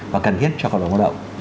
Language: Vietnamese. và cần thiết cho cộng đồng hoạt động